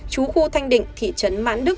chú khu thanh định thị trấn mãn đức